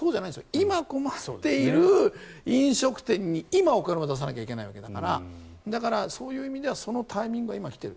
今、困っている飲食店に今、お金を出さなきゃいけないわけだからだから、そういう意味ではそのタイミングは今、来ている。